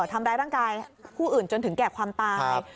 ทำร้ายร่างกายผู้อื่นจนถึงแก่ความตาย